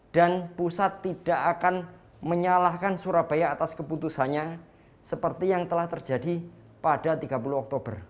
dan pusat tidak akan menyalahkan surabaya atas keputusannya seperti yang telah terjadi pada tiga puluh oktober